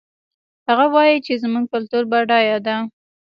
هغه وایي چې زموږ کلتور بډایه ده